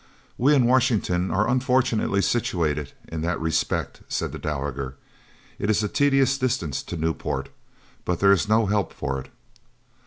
"We of Washington are unfortunately situated in that respect," said the dowager. "It is a tedious distance to Newport. But there is no help for it."